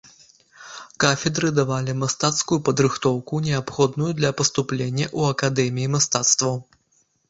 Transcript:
Кафедры давалі мастацкую падрыхтоўку, неабходную для паступлення ў акадэміі мастацтваў.